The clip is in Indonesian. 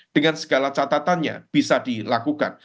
dengan segala catatannya bisa dilakukan